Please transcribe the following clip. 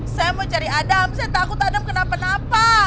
saya mau cari adam saya takut adam kena penapa